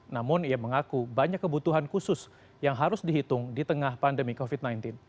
namun ia mengaku banyak kebutuhan khusus yang harus dihitung di tengah pandemi covid sembilan belas